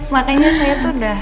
makanya saya tuh udah